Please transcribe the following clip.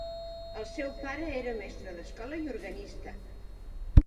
El seu pare era mestre d'escola i organista.